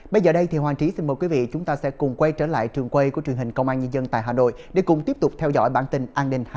bây giờ đây thì hoàng trí xin mời quý vị chúng ta sẽ cùng quay trở lại trường quay của truyền hình công an nhân dân tại hà nội để cùng tiếp tục theo dõi bản tin an ninh hai mươi